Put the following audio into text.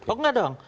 oh enggak dong